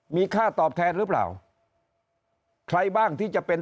มีค่าตอบแทนหรือเปล่าใครบ้างที่จะเป็น